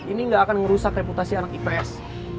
ini gak akan ngerusak reputasi anak ips